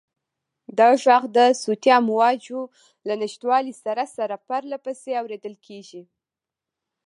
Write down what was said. دا غږ د صوتي امواجو له نشتوالي سره سره پرله پسې اورېدل کېږي.